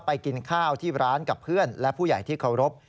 กินข้าวที่ร้านกับเพื่อนและผู้ใหญ่ที่เคารพ